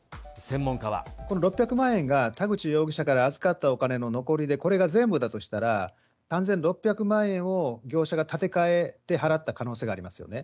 この６００万円が、田口容疑者から預かったお金の残りで、これが全部だとしたら、３６００万円を業者が立て替えて払った可能性がありますよね。